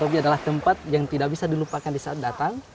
wakat hobi adalah tempat yang tidak bisa dilupakan disaat datang